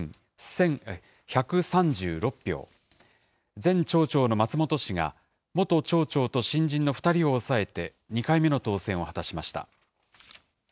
前町長の松本氏が、元町長と新人の２人を抑えて２回目の当選を果たしました。